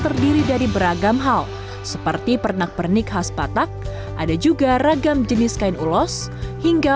terdiri dari beragam hal seperti pernak pernik khas batak ada juga ragam jenis kain ulos hingga